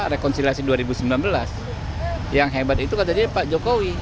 rekonsiliasi dua ribu sembilan belas yang hebat itu katanya pak jokowi